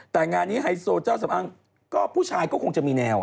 แต่งานนี้ไฮโซเจ้าสำอ้างก็ผู้ชายก็คงจะมีแนว